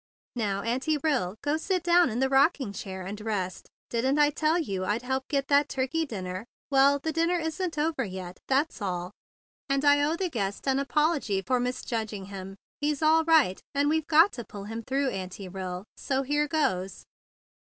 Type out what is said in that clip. Now, Auntie Rill, go sit down in the rockingchair and rest. Didn't I tell you I'd help get that turkey dinner? Well, the dinner isn't over yet; that's all; and I owe the guest an apology for misjudging him. He's all right, and we've got to pull him through, Auntie Rill; so here goes."